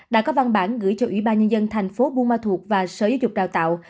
đã có văn bản gửi cho ủy ban nhân dân thành phố buôn ma thuột và sở giáo dục đào tạo